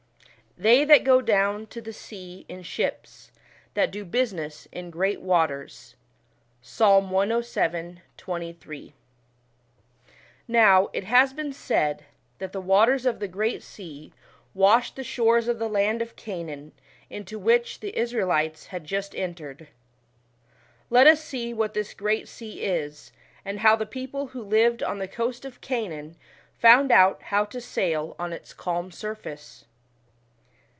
" They that go down to the sea in ships, that do business in great waters." PSALM cvii. 23. , it has been said that the waters of the Great Sea, washed the shores of the land of Canaan, into which, the Israelites had just entered. Let us see what this Great Sea is, and how the people who lived on the coast of Canaan, found out, how to sail on its calm surface.